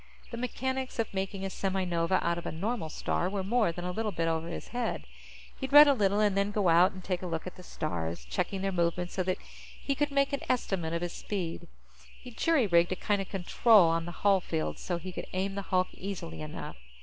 The mechanics of making a semi nova out of a normal star were more than a little bit over his head. He'd read a little and then go out and take a look at the stars, checking their movement so that he could make an estimate of his speed. He'd jury rigged a kind of control on the hull field, so he could aim the hulk easily enough.